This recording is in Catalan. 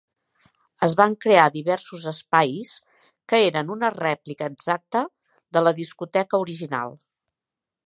Es van crear diversos espais que eren una rèplica exacta de la discoteca original.